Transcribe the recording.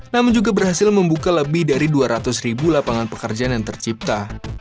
namun juga berhasil membuka lebih dari dua ratus ribu lapangan pekerjaan yang tercipta